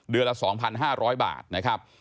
เดือนละ๒๕๐๐บาทนะครับ